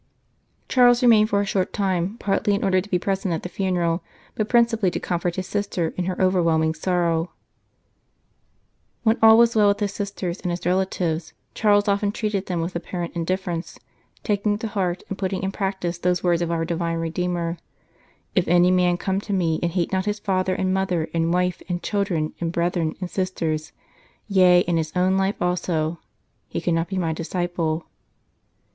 Charles remained for a short time, partly in order to be present at the funeral, but principally to comfort his sister in her overwhelming sorrow. 136 " Tales Ambio Defensores " When all was well with his sisters and his relatives Charles often treated them with apparent indif ference, taking to heart and putting in practice those words of our Divine Redeemer :" If any man come to Me, and hate not his father, and mother, and wife, and children, and brethren, and sisters, yea, and his own life also, he cannot be My disciple."